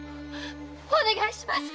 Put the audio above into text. お願いします！